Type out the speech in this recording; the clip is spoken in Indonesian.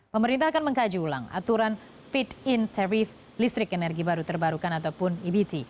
pemerintah akan mengkaji ulang aturan fit in tarif listrik energi baru terbarukan ataupun ebt